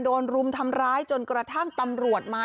รุมทำร้ายจนกระทั่งตำรวจมา